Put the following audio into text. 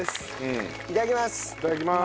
いただきます。